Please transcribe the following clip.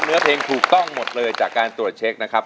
เนื้อเพลงถูกต้องหมดเลยจากการตรวจเช็คนะครับ